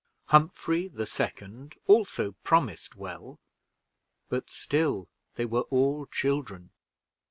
Humphrey, the second, also promised well; but still they were all children.